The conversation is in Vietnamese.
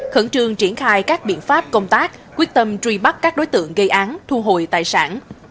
khẩn trương triển khai các biện pháp công tác quyết tâm truy bắt các đối tượng gây án thu hồi tài sản